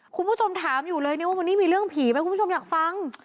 คุณผู้ชมถามอยู่เลยนี่ว่าวันนี้มีเรื่องผีไหมคุณผู้ชมอยากฟัง